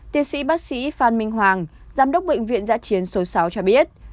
tiến sĩ bác sĩ phan minh hoàng giám đốc bệnh viện giã chiến số sáu cho biết